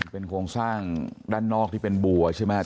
เป็นโครงสร้างด้านนอกที่เป็นบัวใช่ไหมครับ